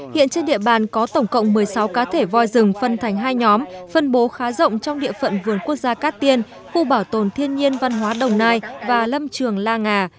hiện trên địa bàn có tổng cộng một mươi sáu cá thể voi rừng phân thành hai nhóm phân bố khá rộng trong địa phận vườn quốc gia cát tiên khu bảo tồn thiên nhiên văn hóa đồng nai và lâm trường la nga